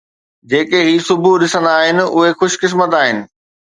جيڪي هي صبح ڏسندا آهن اهي خوش قسمت آهن.